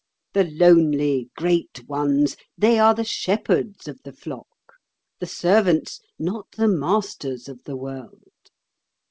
The lonely great ones, they are the shepherds of the flock—the servants, not the masters of the world.